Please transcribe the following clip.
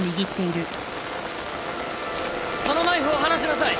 そのナイフを離しなさい。